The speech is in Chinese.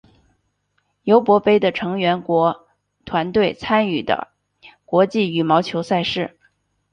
尤伯杯的成员国团队参与的国际羽毛球赛事。